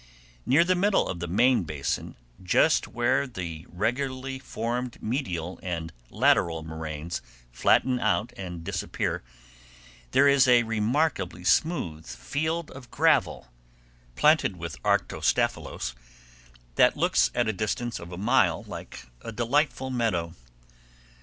Near the middle of the main basin, just where the regularly formed medial and lateral moraines flatten out and disappear, there is a remarkably smooth field of gravel, planted with arctostaphylos, that looks at the distance of a mile like a delightful meadow.